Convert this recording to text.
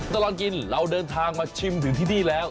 ตลอดกินเราเดินทางมาชิมถึงที่นี่แล้ว